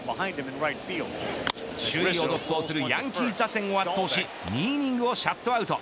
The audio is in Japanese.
首位を独走するヤンキース打線を圧倒し２イニングをシャットアウト。